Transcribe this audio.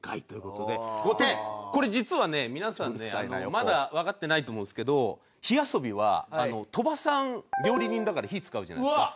まだわかってないと思うんですけど「火遊び」は鳥羽さん料理人だから火使うじゃないですか。